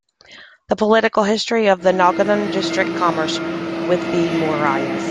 The political history of the Nalgonda district commences with the Mauryas.